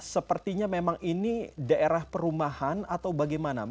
sepertinya memang ini daerah perumahan atau bagaimana